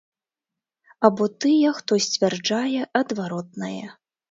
Або тыя, хто сцвярджае адваротнае.